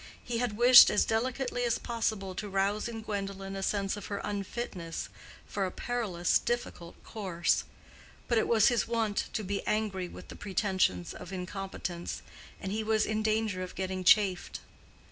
He had wished as delicately as possible to rouse in Gwendolen a sense of her unfitness for a perilous, difficult course; but it was his wont to be angry with the pretensions of incompetence, and he was in danger of getting chafed.